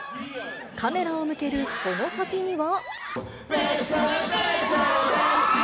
カメラを向けるその先には。